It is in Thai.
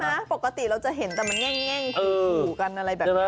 ปกติเราจะเห็นแต่มันแง่งหูกันอะไรแบบนี้